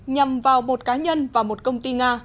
nhằm vào một cá nhân và một công ty nga